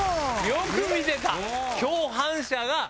よく見てた！